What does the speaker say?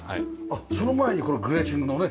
その前にこのグレーチングのね。